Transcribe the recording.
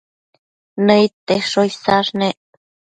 Nëid tesho isash nec